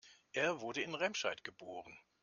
Er wurde in Remscheid geboren